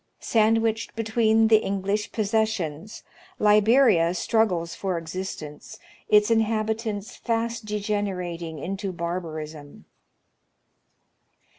Sandwiched between the English possessions, Liberia struggles for existence, its inhabitants fast degenerating into barbarism.